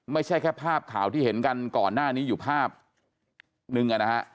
ไม่ใช่แค่ภาพข่าวที่เห็นกันก่อนหน้านี้อยู่ภาพหนึ่งนะฮะ